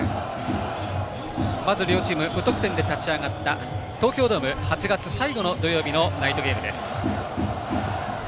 まず両チーム無得点で立ち上がった東京ドーム、８月最後の土曜日のナイトゲームです。